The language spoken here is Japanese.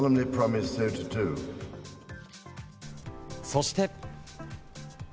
そして。